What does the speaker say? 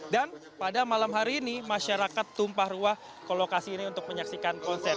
dan pada malam hari ini masyarakat tumpah ruah ke lokasi ini untuk menyaksikan konser